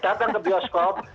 datang ke bioskop